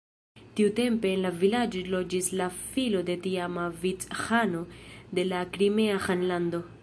Tiutempe en la vilaĝo loĝis la filo de tiama vic-ĥano de la Krimea Ĥanlando.